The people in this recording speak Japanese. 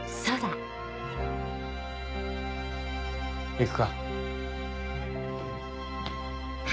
行くか。